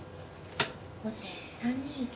後手３二玉。